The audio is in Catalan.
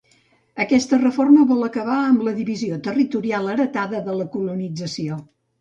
Aquesta reforma vol acabar amb la divisió territorial heretada de la colonització.